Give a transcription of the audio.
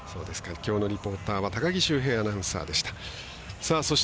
きょうのリポーターは高木修平アナウンサーでした。